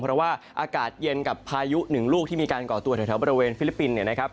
เพราะว่าอากาศเย็นกับพายุ๑ลูกที่มีการก่อตัวแถวบริเวณฟิลิปปินส์